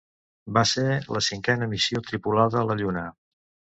Va ser la cinquena missió tripulada a la Lluna.